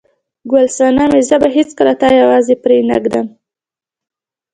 ګل صنمې، زه به هیڅکله تا یوازې پرېنږدم.